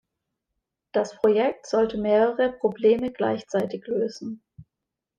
Das Projekt sollte mehrere Probleme gleichzeitig lösen.